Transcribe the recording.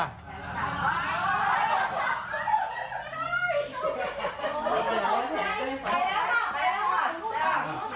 ไปแล้วค่ะไปแล้วค่ะไปแล้วค่ะ